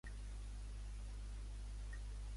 Cent ames d'un corral, cada una diu el seu cantar.